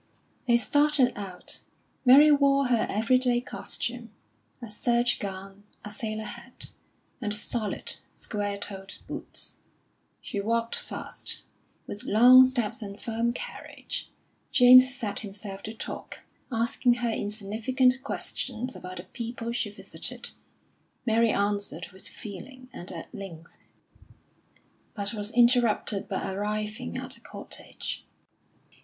They started out. Mary wore her every day costume a serge gown, a sailor hat, and solid, square toed boots. She walked fast, with long steps and firm carriage. James set himself to talk, asking her insignificant questions about the people she visited. Mary answered with feeling and at length, but was interrupted by arriving at a cottage.